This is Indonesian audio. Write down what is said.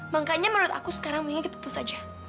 makanya menurut aku sekarang punya dia betul saja